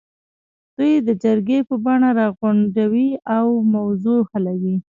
دوی د جرګې په بڼه راغونډوي او موضوع حلوي.